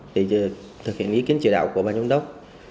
để thực hiện ý kiến trị đạo của bà giống đốc